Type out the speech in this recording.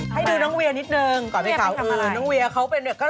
ให้ดูน้องเวียนิดหนึ่งก่อนไปข่าวอื่นน้องเวียเขาเป็นแบบนั้นเนี่ย